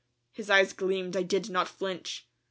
His eyes gleamed. I did not flinch.